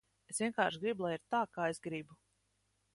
Es vienkārši gribu, lai ir tā, kā es gribu.